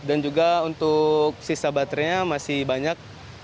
dan juga untuk sisa baterainya masih banyak